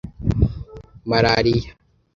Malaria